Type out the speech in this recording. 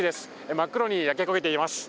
真っ黒に焼け焦げています。